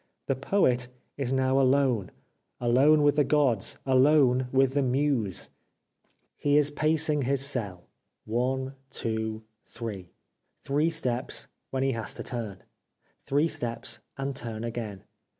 The Poet is now alone ! Alone with the Gods ! Alone with the Muse ! He is pacing his cell — one, two, three. Three steps when he has to turn. Three steps and turn again.